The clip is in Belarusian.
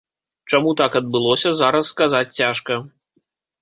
Чаму так адбылося, зараз сказаць цяжка.